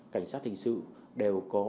cảnh sát hình sự đều có